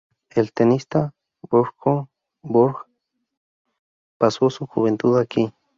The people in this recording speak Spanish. El tenista Björn Borg pasó su juventud aquí.